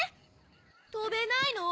とべないの？